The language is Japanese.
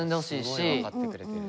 すごい分かってくれてる。